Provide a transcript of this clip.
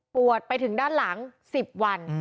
ไปถึงด้านหลัง๑๐วัน